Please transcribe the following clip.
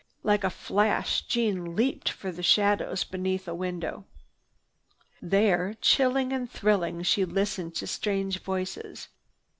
Like a flash Jeanne leaped for the shadows beneath a window. There, chilling and thrilling, she listened to strange voices.